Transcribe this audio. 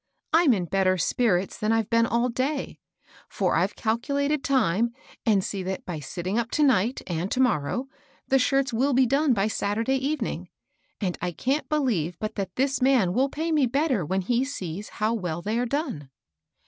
I'm in better spirits than I've been all day ; for I've calculated time, and see that by sitting up to night and to morrow, the shirts will be done by Saturday evening ; and I can't be lieve but that this man will pay me better when he sees how well they are done."